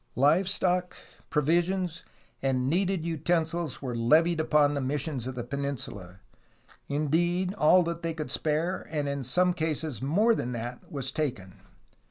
Live stock, provisions, and needed utensils were levied upon the missions of the peninsula; indeed, all that they could spare, and in some cases more than that, was taken.